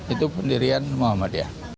itu pendirian muhammadiyah